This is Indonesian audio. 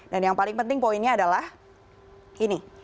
dan yang paling penting poinnya adalah ini